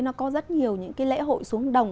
nó có rất nhiều những cái lễ hội xuống đồng